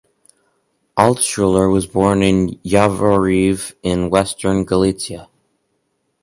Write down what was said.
Altschuler was born in Yavoriv in western Galicia.